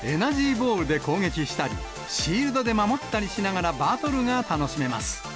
ボールで攻撃したり、シールドで守ったりしながらバトルが楽しめます。